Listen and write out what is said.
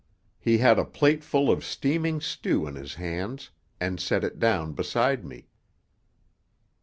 He had a plateful of steaming stew in his hands, and set it down beside me.